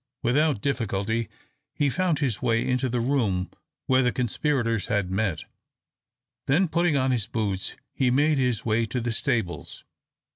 Without difficulty he found his way into the room where the conspirators had met; then, putting on his boots, he made his way to the stables.